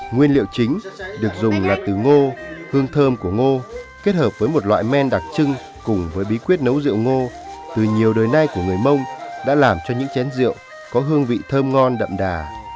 nguyên liệu chính được dùng là từ ngô hương thơm của ngô kết hợp với một loại men đặc trưng cùng với bí quyết nấu rượu ngô từ nhiều đời nay của người mông đã làm cho những chén rượu có hương vị thơm ngon đậm đà